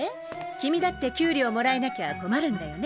キミだって給料もらえなきゃ困るんだよね？